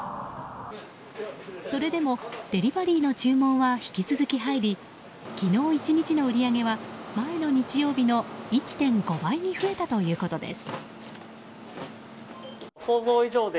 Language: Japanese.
それでも、デリバリーの注文は引き続き入り昨日１日の売り上げは前の日曜日の１．５倍に増えたということです。